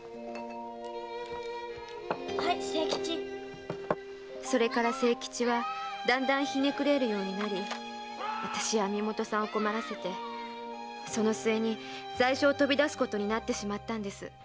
〔はい清吉〕それから清吉はだんだんひねくれるようになりあたしや網元さんを困らせてその末に在所を飛び出すことになってしまったんです。